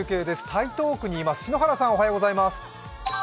台東区にいます篠原さん。